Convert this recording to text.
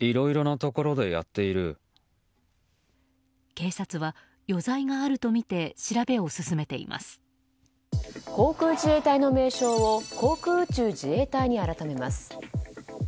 警察は、余罪があるとみて航空自衛隊の名称を航空宇宙自衛隊に改めます。